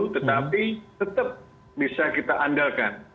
tetapi tetap bisa kita andalkan